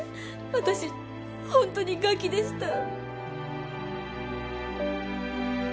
私本当に餓鬼でした。